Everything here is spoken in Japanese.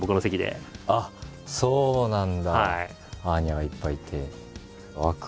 あっそうなんだ。